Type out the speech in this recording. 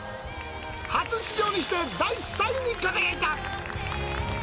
初出場にして第３位に輝いた。